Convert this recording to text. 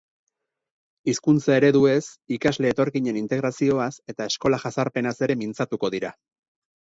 Hizkuntza ereduez, ikasle etorkinen integrazioaz eta eskola jazarpenaz ere mintzatuko dira.